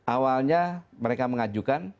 awalnya mereka mengajukan